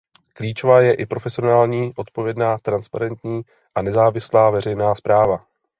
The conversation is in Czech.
Klíčová je i profesionální, odpovědná, transparentní a nezávislá veřejná správa.